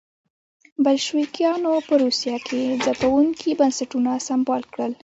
بلشویکانو په روسیه کې ځپونکي بنسټونه سمبال کړل.